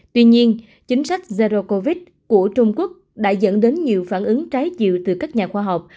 tuy nhiên chính sách zero covid của trung quốc đã dẫn đến nhiều phản ứng trái chiều từ các nhà khoa học